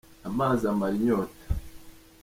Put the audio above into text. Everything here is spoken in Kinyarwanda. Amazi amara inyota.